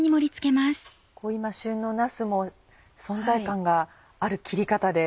今旬のなすも存在感がある切り方で。